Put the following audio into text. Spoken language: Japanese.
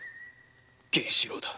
源四郎だ。